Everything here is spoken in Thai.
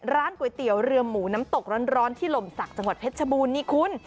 ร้านก๋วยเตี๋ยวเรือหมูน้ำตกร้อนที่หล่มศักดิ์จังหวัดเพชรชบูรณนี่คุณ